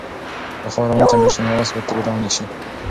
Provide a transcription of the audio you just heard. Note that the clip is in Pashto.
که خاوره ونه څنډل شي نو آس به ترې لاندې شي.